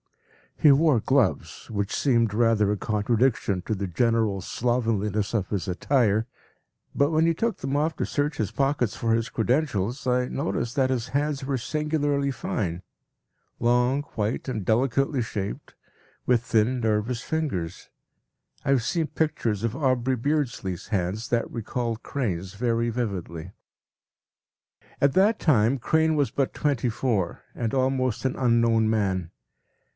He wore gloves, which seemed rather a contradiction to the general slovenliness of his attire, but when he took them off to search his pockets for his credentials, I noticed that his hands were singularly fine; long, white, and delicately shaped, with thin, nervous fingers. I have seen pictures of Aubrey Beardsley’s hands that recalled Crane’s very vividly. At that time Crane was but twenty four, and almost an unknown man.